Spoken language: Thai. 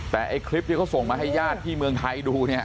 แต่ไอ้คลิปที่เขาส่งมาให้ญาติที่เมืองไทยดูเนี่ย